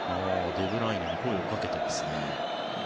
デブライネに声をかけていますね。